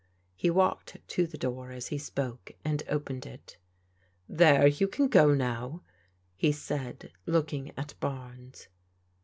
He walked to the door as he spoke and opened it. " There, you can go now," he said, looking at Barnes.